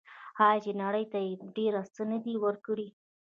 آیا چې نړۍ ته یې ډیر څه نه دي ورکړي؟